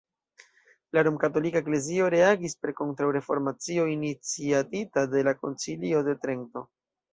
La Romkatolika Eklezio reagis per Kontraŭreformacio iniciatita de la Koncilio de Trento.